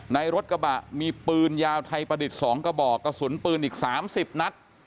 ในรถกระบะมีปืนยาวไทยประดิษฐ์๒กระบอกกระสุนปืนอีก๓๐นัด